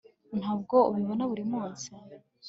ntabwo ubibona buri munsi